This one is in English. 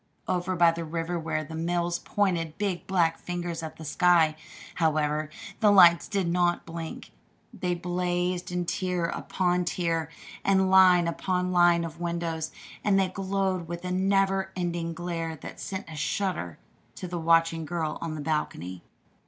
Over by the river where the mills pointed big black fingers at the sky, however, the lights did not blink. They blazed in tier upon tier and line upon line of windows, and they glowed with a never ending glare that sent a shudder to the watching girl on the balcony.